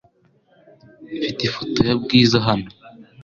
Mfite ifoto ya Bwiza hano .